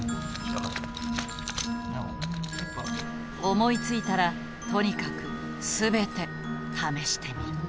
思いついたらとにかく全て試してみる。